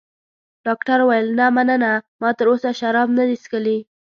ډاکټر وویل: نه، مننه، ما تراوسه شراب نه دي څښلي.